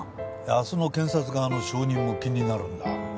明日の検察側の証人も気になるんだ。